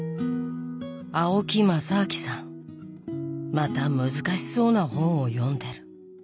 また難しそうな本を読んでる。